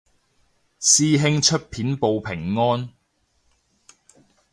師兄出片報平安